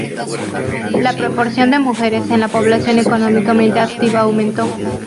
La proporción de mujeres en la población económicamente activa aumentó.